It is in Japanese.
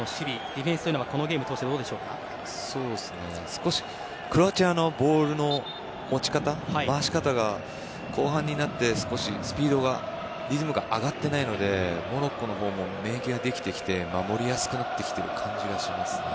ディフェンスはこのゲームを通して少しクロアチアのボールの持ち方回し方が、後半になって少しスピードがリズムが上がってないのでモロッコのほうも免疫ができてきて守りやすくなってきている感じがしますね。